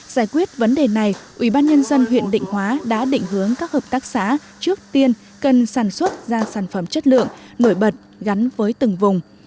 giải quyết vấn đề này ủy ban nhân dân huyện định hóa đã định hướng các hợp tác xã trước tiên cần sản xuất ra sản phẩm chất lượng nổi bật gắn với từng vùng